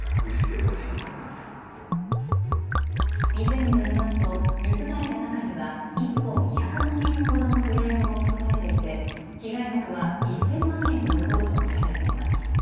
店によりますと盗まれた中には１本１００万円ほどのフレームも含まれていて被害額は１０００万円に上るとみられています。